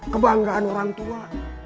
kebanggaan orang tua